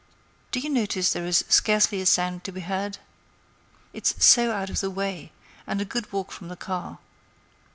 Do you notice there is scarcely a sound to be heard? It's so out of the way; and a good walk from the car.